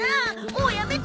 もうやめて！